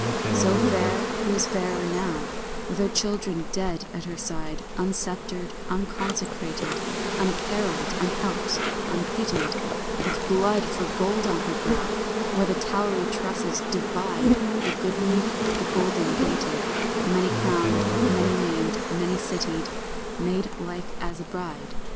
So fair, who is fairer now With her children dead at her side, Unsceptred, unconsecrated, Unapparelled, unhelped, unpitied, With blood for gold on her brow, Where the towery tresses divide; The goodly, the golden gated, Many crowned, many named, many citied, Made like as a bride.